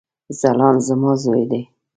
ځلاند زما ځوي دی